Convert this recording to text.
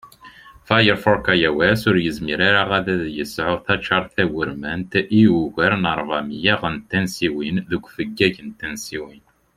Firefox iOS ur yizmir ara ad yesεu taččart tawurmant i ugar n rbeɛ miyya n tansiwin deg ufeggag n tansiwin